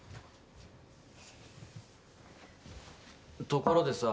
ところでさ